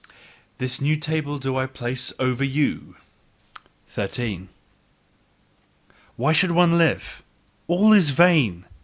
This new table do I place over you! 13. "Why should one live? All is vain!